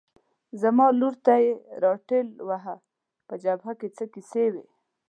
زما لور ته یې را ټېل واهه، په جبهه کې څه کیسې وې؟